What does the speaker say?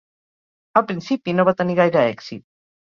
Al principi no va tenir gaire èxit.